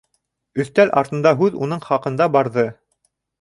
Өҫтәл артында һүҙ уның хаҡында барҙы.